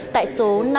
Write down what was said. tại số năm mươi